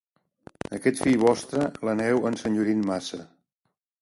Aquest fill vostre, l'aneu ensenyorint massa.